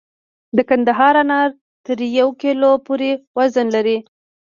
د کندهار انار تر یو کیلو پورې وزن لري.